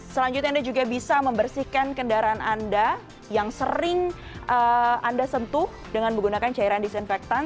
selanjutnya anda juga bisa membersihkan kendaraan anda yang sering anda sentuh dengan menggunakan cairan disinfektan